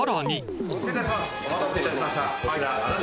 お待たせ致しました。